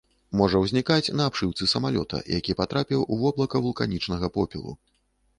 Можа ўзнікаць на абшыўцы самалёта, які патрапіў у воблака вулканічнага попелу.